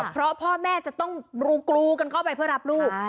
เพราะพ่อแม่จะต้องรูกรูกันเข้าไปเพื่อรับลูก